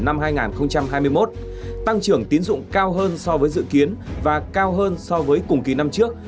năm hai nghìn hai mươi một tăng trưởng tín dụng cao hơn so với dự kiến và cao hơn so với cùng kỳ năm trước